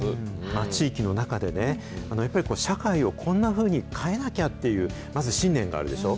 地域の中でね、やっぱり社会をこんなふうに変えなきゃっていう、まず信念があるでしょ。